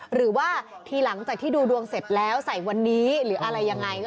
หรือว่าทีหลังจากที่ดูดวงเสร็จแล้วใส่วันนี้หรืออะไรยังไง